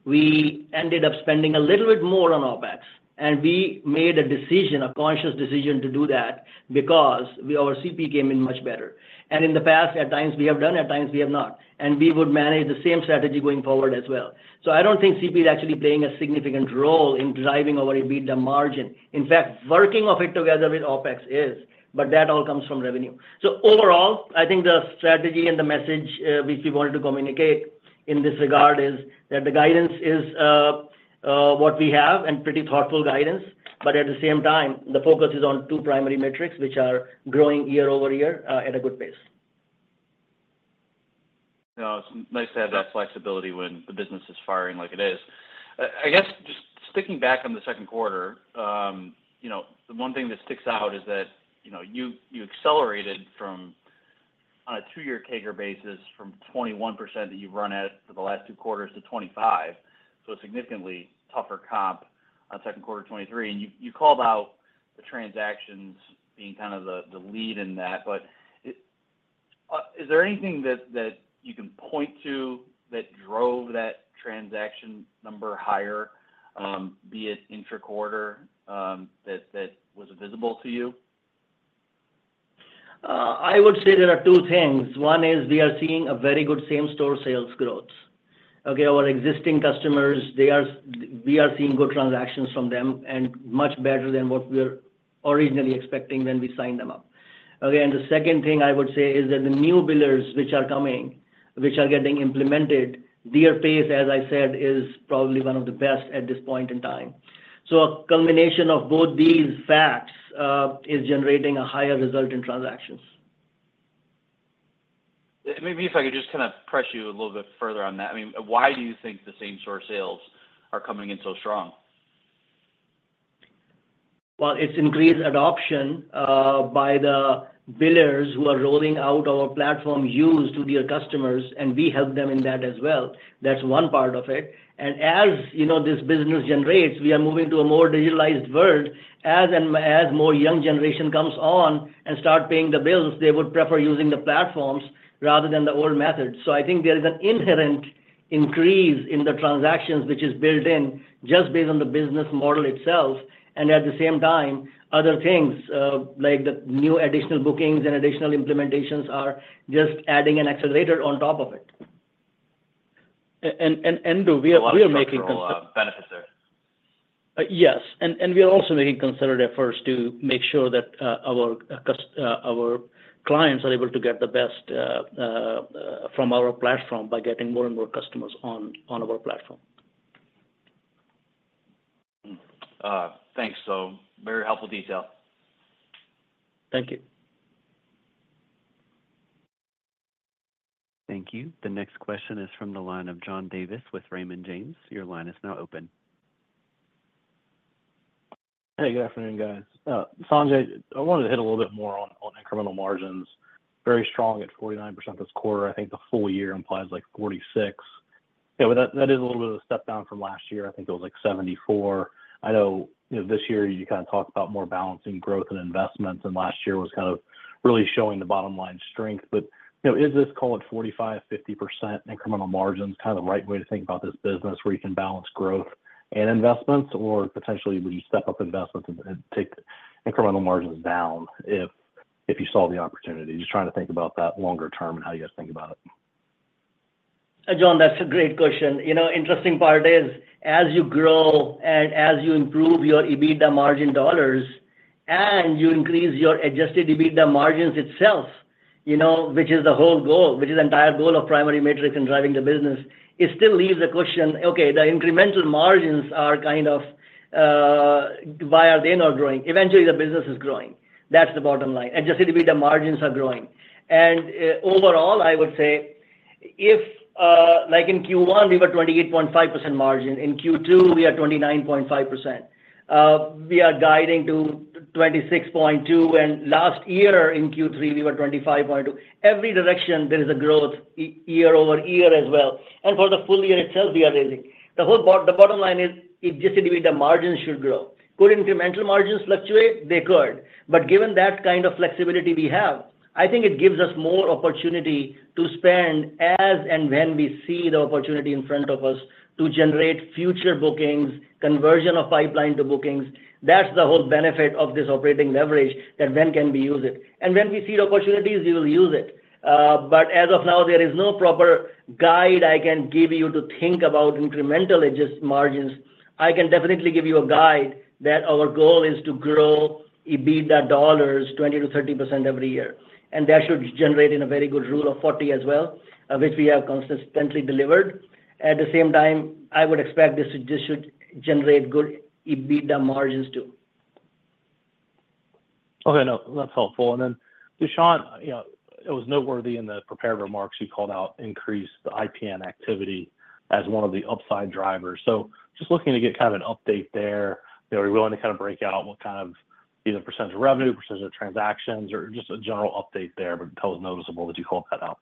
We ended up spending a little bit more on OpEx, and we made a decision, a conscious decision to do that because we, our CP came in much better. And in the past, at times we have done, at times we have not, and we would manage the same strategy going forward as well. So I don't think CP is actually playing a significant role in driving our EBITDA margin. In fact, working of it together with OpEx is, but that all comes from revenue. So overall, I think the strategy and the message, which we wanted to communicate in this regard is that the guidance is what we have and pretty thoughtful guidance, but at the same time, the focus is on two primary metrics, which are growing year-over-year at a good pace. You know, it's nice to have that flexibility when the business is firing like it is. I guess just sticking back on the second quarter, you know, the one thing that sticks out is that, you know, you accelerated from, on a two-year CAGR basis, from 21% that you've run at for the last two quarters to 25%, so a significantly tougher comp on second quarter 2023. And you called out the transactions being kind of the lead in that, but is there anything that you can point to that drove that transaction number higher, be it intra-quarter, that was visible to you? I would say there are two things. One is we are seeing a very good same-store sales growth. Okay, our existing customers, we are seeing good transactions from them and much better than what we were originally expecting when we signed them up. Okay, and the second thing I would say is that the new billers which are coming, which are getting implemented, their pace, as I said, is probably one of the best at this point in time. So a combination of both these facts is generating a higher result in transactions. Maybe if I could just kind of press you a little bit further on that. I mean, why do you think the same-store sales are coming in so strong? Well, it's increased adoption by the billers who are rolling out our platform use to their customers, and we help them in that as well. That's one part of it. And as, you know, this business generates, we are moving to a more digitalized world. As more young generation comes on and start paying the bills, they would prefer using the platforms rather than the old methods. So I think there is an inherent increase in the transactions, which is built in just based on the business model itself. And at the same time, other things like the new additional bookings and additional implementations are just adding an accelerator on top of it. And Andrew, we are making- A lot of structural benefits there. Yes, and we are also making considered efforts to make sure that our clients are able to get the best from our platform by getting more and more customers on our platform. Thanks. So, very helpful detail. Thank you. Thank you. The next question is from the line of John Davis with Raymond James. Your line is now open. Hey, good afternoon, guys. Sanjay, I wanted to hit a little bit more on incremental margins. Very strong at 49% this quarter. I think the full year implies like 46. Yeah, but that is a little bit of a step down from last year. I think it was like 74. I know, you know, this year you kind of talked about more balancing growth and investments, and last year was kind of really showing the bottom line strength. But, you know, is this, call it 45-50% incremental margins, kind of the right way to think about this business, where you can balance growth and investments? Or potentially, would you step up investments and take incremental margins down if you saw the opportunity? Just trying to think about that longer term and how you guys think about it. John, that's a great question. You know, interesting part is, as you grow and as you improve your EBITDA margin dollars and you increase your adjusted EBITDA margins itself, you know, which is the whole goal, which is the entire goal of primary metric and driving the business, it still leaves the question: Okay, the incremental margins are kind of, why are they not growing? Eventually, the business is growing. That's the bottom line. Adjusted EBITDA margins are growing. And, overall, I would say if, like in Q1, we were 28.5 margin. In Q2, we are 29.5%. We are guiding to- 26.2, and last year in Q3, we were 25.2. Every direction, there is a growth year-over-year as well, and for the full year itself, we are raising. The whole bottom line is, it just means the margins should grow. Could incremental margins fluctuate? They could, but given that kind of flexibility we have, I think it gives us more opportunity to spend as and when we see the opportunity in front of us to generate future bookings, conversion of pipeline to bookings. That's the whole benefit of this operating leverage, that when can we use it? And when we see the opportunities, we will use it. But as of now, there is no proper guide I can give you to think about incremental EBITDA margins. I can definitely give you a guide that our goal is to grow EBITDA dollars 20%-30% every year, and that should generate in a very good Rule of 40 as well, which we have consistently delivered. At the same time, I would expect this should generate good EBITDA margins too. Okay, no, that's helpful. And then, Dushyant, you know, it was noteworthy in the prepared remarks you called out increased the IPN activity as one of the upside drivers. So just looking to get kind of an update there. Are you willing to kind of break out what kind of either percentage of revenue, percentage of transactions, or just a general update there? But it was noticeable that you called that out.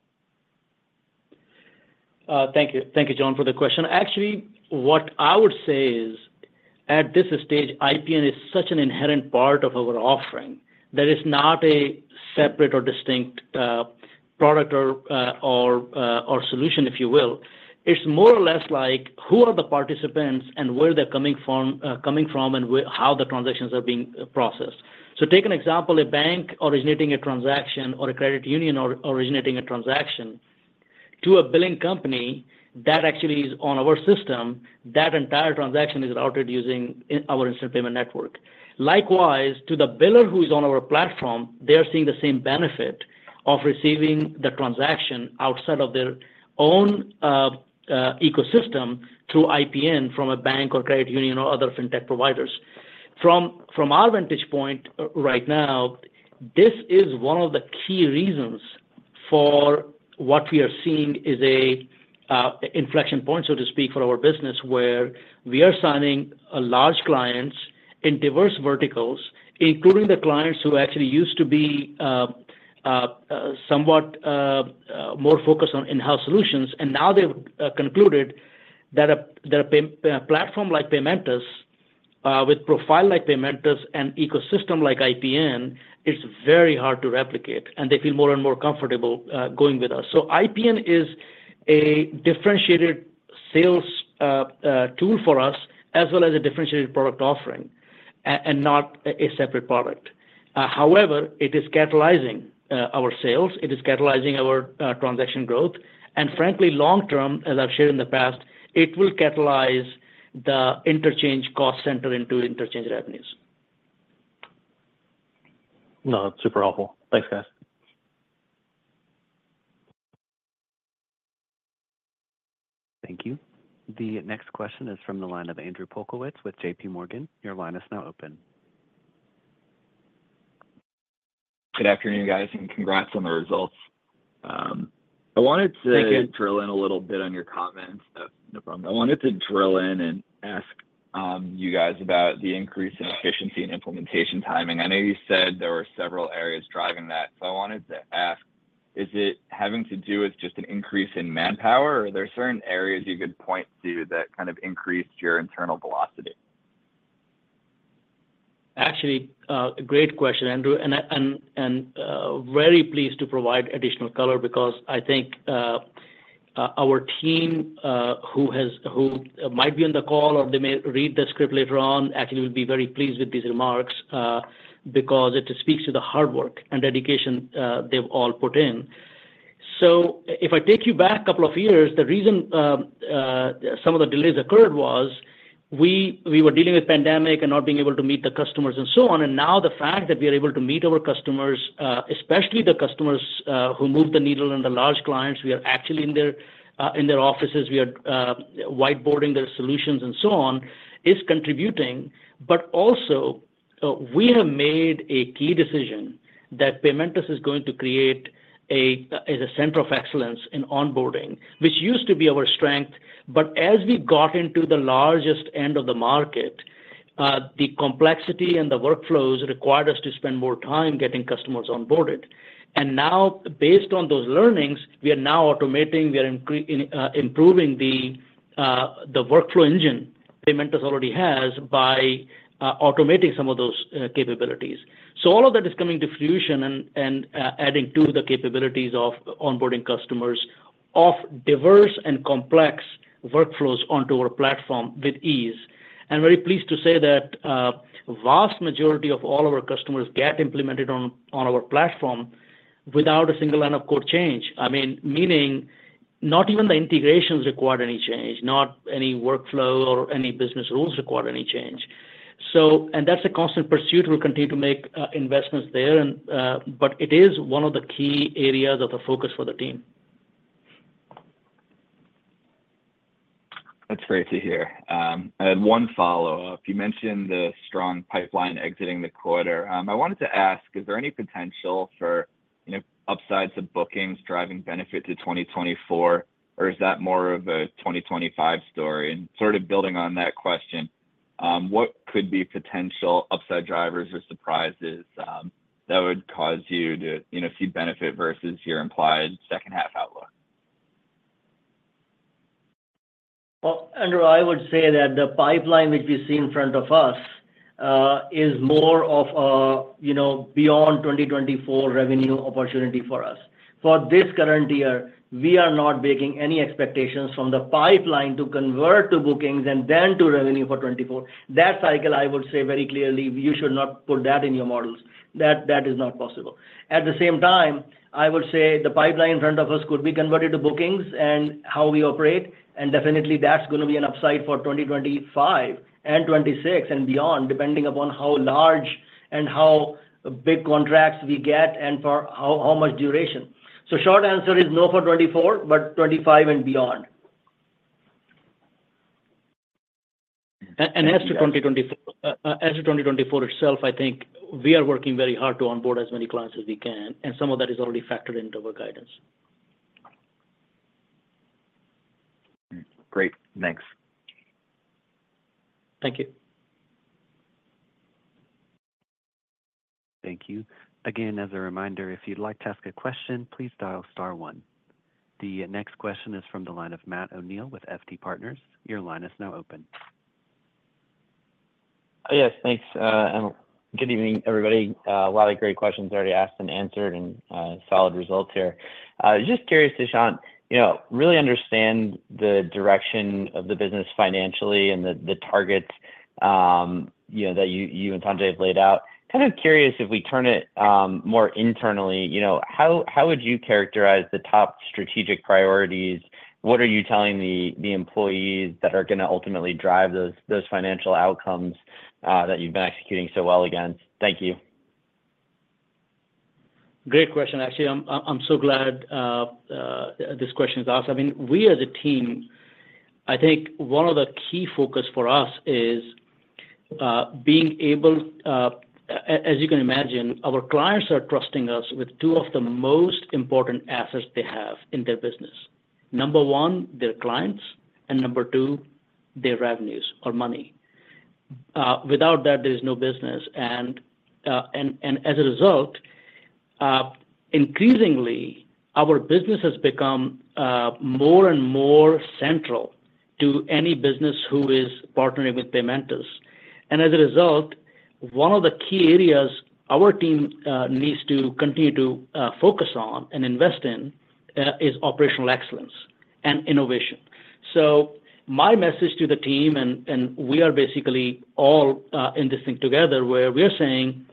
Thank you. Thank you, John, for the question. Actually, what I would say is, at this stage, IPN is such an inherent part of our offering that is not a separate or distinct product or solution, if you will. It's more or less like, who are the participants and where they're coming from, coming from, and how the transactions are being processed. So take an example, a bank originating a transaction or a credit union originating a transaction to a billing company that actually is on our system. That entire transaction is routed using our Instant Payment Network. Likewise, to the biller who is on our platform, they are seeing the same benefit of receiving the transaction outside of their own ecosystem through IPN from a bank or credit union or other fintech providers. From our vantage point, right now, this is one of the key reasons for what we are seeing is a inflection point, so to speak, for our business, where we are signing a large clients in diverse verticals, including the clients who actually used to be somewhat more focused on in-house solutions. And now they've concluded that a platform like Paymentus with profile like Paymentus and ecosystem like IPN is very hard to replicate, and they feel more and more comfortable going with us. So IPN is a differentiated sales tool for us, as well as a differentiated product offering and not a separate product. However, it is catalyzing our sales, it is catalyzing our transaction growth, and frankly, long term, as I've shared in the past, it will catalyze the interchange cost center into interchange revenues. No, super helpful. Thanks, guys. Thank you. The next question is from the line of Andrew Polkowitz with JPMorgan. Your line is now open. Good afternoon, guys, and congrats on the results. I wanted to- Thank you. Drill in a little bit on your comments. No problem. I wanted to drill in and ask you guys about the increase in efficiency and implementation timing. I know you said there were several areas driving that. So I wanted to ask, is it having to do with just an increase in manpower, or are there certain areas you could point to that kind of increased your internal velocity? Actually, great question, Andrew, and I'm very pleased to provide additional color because I think our team who might be on the call or they may read the script later on actually will be very pleased with these remarks because it speaks to the hard work and dedication they've all put in. So if I take you back a couple of years, the reason some of the delays occurred was we were dealing with pandemic and not being able to meet the customers and so on. And now the fact that we are able to meet our customers, especially the customers who moved the needle, and the large clients, we are actually in their offices, we are whiteboarding their solutions and so on, is contributing. But also, we have made a key decision that Paymentus is going to create a, as a center of excellence in onboarding, which used to be our strength. But as we got into the largest end of the market, the complexity and the workflows required us to spend more time getting customers onboarded. And now, based on those learnings, we are now automating, we are improving the, the workflow engine Paymentus already has by, automating some of those, capabilities. So all of that is coming to fruition and, adding to the capabilities of onboarding customers of diverse and complex workflows onto our platform with ease. I'm very pleased to say that, vast majority of all of our customers get implemented on, on our platform without a single line of code change. I mean, meaning not even the integrations require any change, not any workflow or any business rules require any change. So and that's a constant pursuit. We'll continue to make investments there, and, but it is one of the key areas of the focus for the team. That's great to hear. I had one follow-up. You mentioned the strong pipeline exiting the quarter. I wanted to ask, is there any potential for you know, upsides of bookings driving benefit to 2024, or is that more of a 2025 story? And sort of building on that question, what could be potential upside drivers or surprises, that would cause you to, you know, see benefit versus your implied second half outlook? Well, Andrew, I would say that the pipeline which we see in front of us is more of a, you know, beyond 2024 revenue opportunity for us. For this current year, we are not making any expectations from the pipeline to convert to bookings and then to revenue for 2024. That cycle, I would say very clearly, you should not put that in your models. That, that is not possible. At the same time, I would say the pipeline in front of us could be converted to bookings and how we operate, and definitely that's gonna be an upside for 2025 and 2026 and beyond, depending upon how large and how big contracts we get, and for how, how much duration. So short answer is no for 2024, but 2025 and beyond. And as to 2024, as to 2024 itself, I think we are working very hard to onboard as many clients as we can, and some of that is already factored into our guidance. Great. Thanks. Thank you. Thank you. Again, as a reminder, if you'd like to ask a question, please dial star one. The next question is from the line of Matt O'Neill with FT Partners. Your line is now open. Yes, thanks, and good evening, everybody. A lot of great questions already asked and answered, and solid results here. Just curious, Dushyant, you know, really understand the direction of the business financially and the targets, you know, that you and Sanjay have laid out. Kind of curious, if we turn it more internally, you know, how would you characterize the top strategic priorities? What are you telling the employees that are gonna ultimately drive those financial outcomes that you've been executing so well again? Thank you. Great question. Actually, I'm so glad this question is asked. I mean, we as a team, I think one of the key focus for us is being able, as you can imagine, our clients are trusting us with two of the most important assets they have in their business: number one, their clients, and number two, their revenues or money. Without that, there is no business, and as a result, increasingly, our business has become more and more central to any business who is partnering with Paymentus. And as a result, one of the key areas our team needs to continue to focus on and invest in is operational excellence and innovation. So my message to the team, we are basically all in this thing together, where we are saying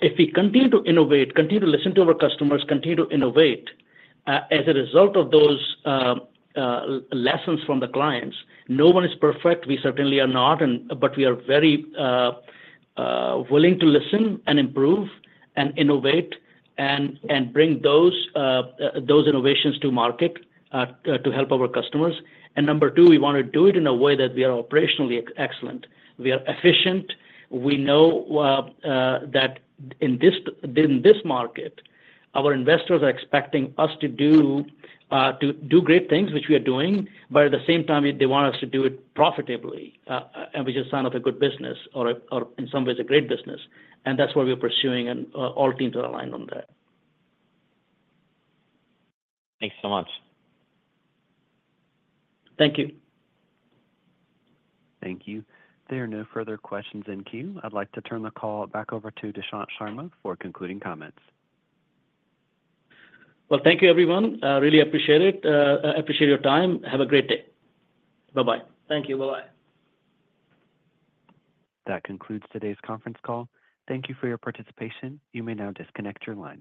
if we continue to innovate, continue to listen to our customers, continue to innovate, as a result of those lessons from the clients, no one is perfect, we certainly are not, but we are very willing to listen and improve and innovate and bring those innovations to market to help our customers. And number two, we want to do it in a way that we are operationally excellent, we are efficient. We know that in this, in this market, our investors are expecting us to do, to do great things, which we are doing, but at the same time, they want us to do it profitably, and which is sign of a good business or a, or in some ways, a great business, and that's what we're pursuing, and all teams are aligned on that. Thanks so much. Thank you. Thank you. There are no further questions in queue. I'd like to turn the call back over to Dushyant Sharma for concluding comments. Well, thank you, everyone. Really appreciate it. Appreciate your time. Have a great day. Bye-bye. Thank you. Bye-bye. That concludes today's conference call. Thank you for your participation. You may now disconnect your lines.